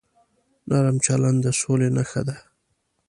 نرم چلند د سولې نښه ده.